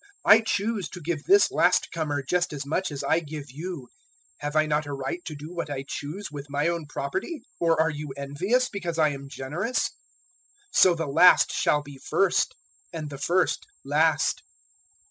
I choose to give this last comer just as much as I give you. 020:015 Have I not a right to do what I choose with my own property? Or are you envious because I am generous?' 020:016 "So the last shall be first, and the first last."